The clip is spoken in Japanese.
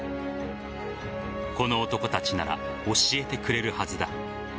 この男たちなら教えてくれるはずだ。